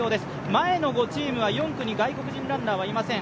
前の５チームは４区に外国人ランナーはいません。